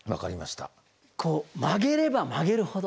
こう曲げれば曲げるほど。